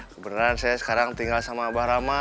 kebenaran saya sekarang tinggal sama abah rama